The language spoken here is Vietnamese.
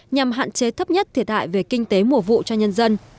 nhằm hạn chế thấp nhất thiệt hại về kinh tế mùa vụ cho nhân dân